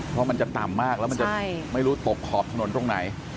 เพราะมันจะต่ำมากแล้วมันจะไม่รู้ตกขอบถนนตรงไหน